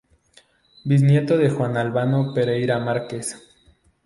Bisnieto de Juan Albano Pereira Márquez.